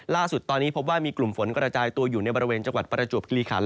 ล่าสุดตอนนี้พบว่ามีกลุ่มฝนกระจายตัวอยู่ในบริเวณจังหวัดประจวบคิริขันฯ